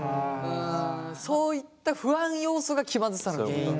そういった不安要素が気まずさの原因なのかな。